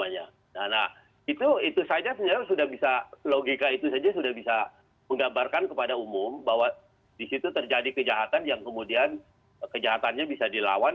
nah itu saja sebenarnya sudah bisa logika itu saja sudah bisa menggambarkan kepada umum bahwa disitu terjadi kejahatan yang kemudian kejahatannya bisa dilawan